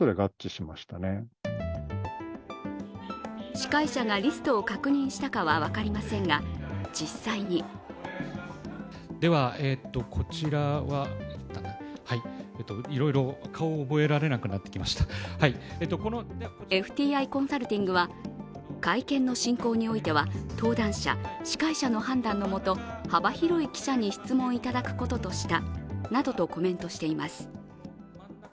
司会者がリストを確認したかは分かりませんが、実際にＦＴＩコンサルティングは会見の進行においては登壇者、司会者の判断のもと、幅広い記者に質問いただくこととしたなどとコメントしています。